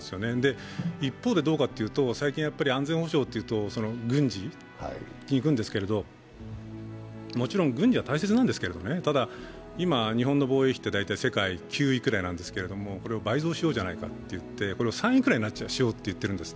一方で、最近、安全保障というと軍事にいくんですけども、もちろん軍事は大切なんですけれども、ただ、今、日本の防衛費って世界９位ぐらいなんですけどこれを倍増しようじゃないかと、これを３位くらいにしようと。